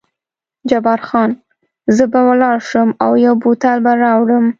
جبار خان: زه به ولاړ شم او یو بوتل به راوړم.